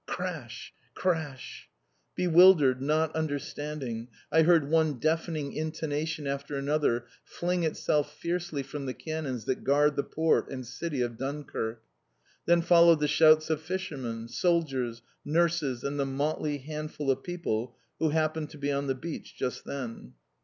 Crash! Crash! Bewildered, not understanding, I heard one deafening intonation after another fling itself fiercely from the cannons that guard the port and city of Dunkirk. Then followed the shouts of fishermen, soldiers, nurses and the motley handful of people who happened to be on the beach just then.